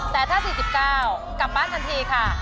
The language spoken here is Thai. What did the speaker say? แต่ถ้า๔๙กลับบ้านทันทีค่ะ